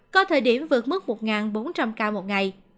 có thời điểm vượt mức một bốn trăm linh ca một ngày